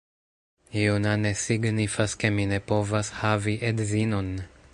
Juna ne signifas ke mi ne povas havi edzinon